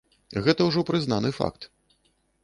Гэта ўжо прызнаны факт.